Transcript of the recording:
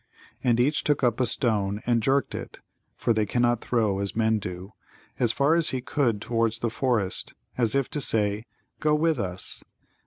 And each took up a stone and jerked it (for they cannot throw as men do) as far as he could towards the forest, as if to say, "Go with us!"